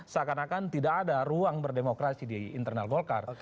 seakan akan tidak ada ruang berdemokrasi di internal golkar